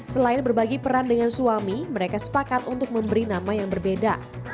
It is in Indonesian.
selain berbagi peran dengan suami mereka sepakat untuk memberi nama yang berbeda